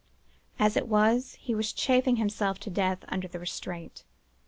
As it was, he was chafing himself to death under the restraint.